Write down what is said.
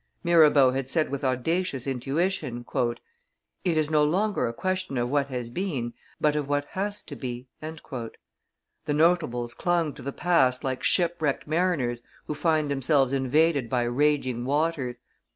Mirabeau had said with audacious intuition: "It is no longer a question of what has been, but of what has to be." The notables clung to the past like shipwrecked mariners who find themselves invaded by raging waters.